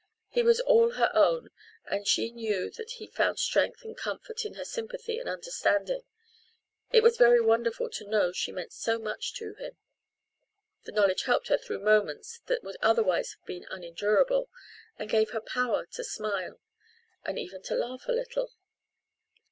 He was all her own and she knew that he found strength and comfort in her sympathy and understanding. It was very wonderful to know she meant so much to him the knowledge helped her through moments that would otherwise have been unendurable, and gave her power to smile and even to laugh a little.